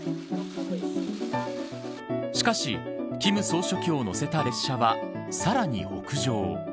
しかし、金総書記を乗せた列車はさらに北上。